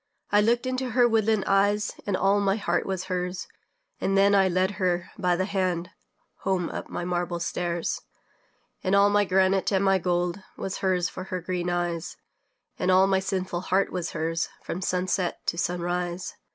I looked into her woodland eyes, And all my heart was hers; And then I led her by the hand Home up my marble stairs. And all my granite and my gold Was hers for her green eyes, And all my sinful heart was hers, From sunset to sunrise.